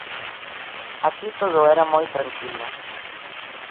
Aquí todo era moi tranquilo.